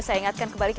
karena ada orang panik